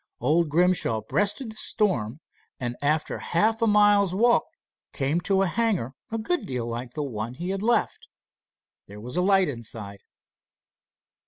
Old Grimshaw breasted the storm, and after half a mile's walk came to a hangar a good deal like the one he had left. There was a light inside.